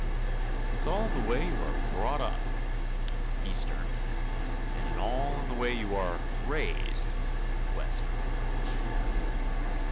It's all the way you are "brought up," Eastern, and all the way you are "raised," Western.